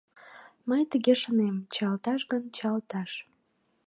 «Мый тыге шонем, — чиялташ гын чиялташ.